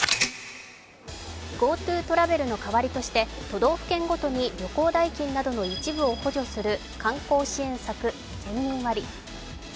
ＧｏＴｏトラベルの代わりとして旅行代金などの一部を補助する観光支援策、県民割。